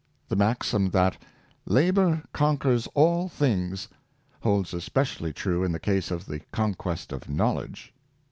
The maxim that " Labor conquers all things," holds especially true in the case of the con quest of knowledge.